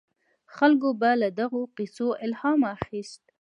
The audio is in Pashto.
خلکو به له دغو کیسو الهام اخیست.